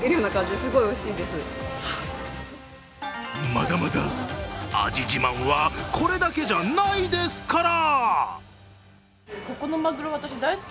まだまだ、味自慢はこれだけじゃないですから。